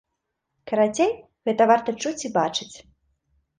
Карацей, гэта варта чуць і бачыць.